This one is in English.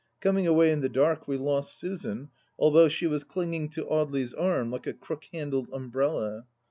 Coming away in the dark we lost Susan, although she was clinging to Audely's arm like a crook handled umbrella.